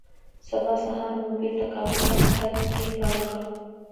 سبا سهار مو بېرته کابل ته د تګ پرېکړه وکړه